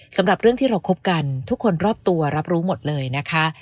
สำหรับเรื่องที่เราคบกันทุกคนรอบตัวรับรู้หมดเลยนะคะ